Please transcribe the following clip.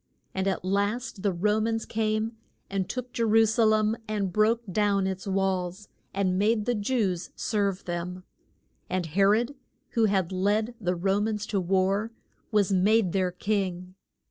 And at last the Ro mans came and took Je ru sa lem and broke down its walls, and made the Jews serve them. And He rod, who had led the Ro mans to war, was made their king.